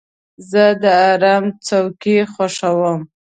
زه د آرام څوکۍ خوښوم.